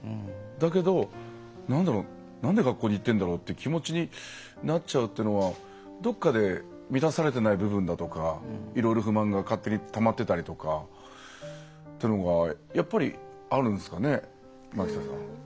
だけどなんで学校に行ってるんだろうって気持ちになっちゃうっていうのはどっかで満たされてない部分だとかいろいろ不満が勝手にたまってたりとかっていうのがやっぱりあるんですかね前北さん。